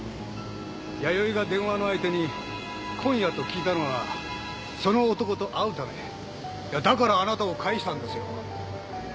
弥生が電話の相手に「今夜？」と聞いたのはその男と会うためだからあなたを帰したんですよ。